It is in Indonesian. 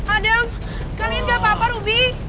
adam kalian gak apa apa ruby